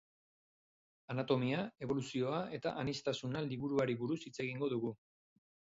Anatomia, eboluzioa eta aniztasuna liburuari buruz hitz egingo dugu.